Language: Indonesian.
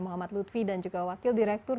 muhammad lutfi dan juga wakil direktur